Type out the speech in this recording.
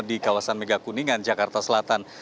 di kawasan mega kuningan jakarta selatan